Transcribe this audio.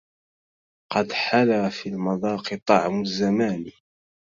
قد حلا في المذاق طعم الزمان